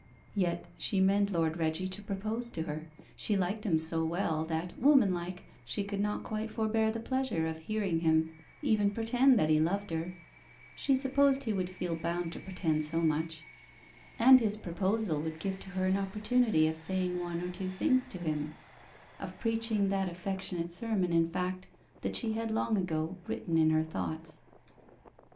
Yet she meant Lord Reggie to propose to her. She liked him so well that, womanlike, she could not quite forbear the pleasure of hearing him even pretend that he loved her she supposed he would feel bound to pretend so much; and his proposal would give to her an opportunity of saying one or two things to him of preaching that affectionate sermon, in fact, that she had long ago written in her thoughts.